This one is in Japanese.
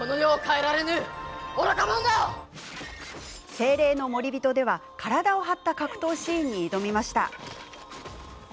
「精霊の守り人」では体を張った格闘シーンに挑みました。